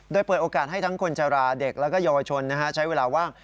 โดยเปิดโอกาสให้ทั้งคนชราเด็กและเยาวชนใช้เวลาว่าง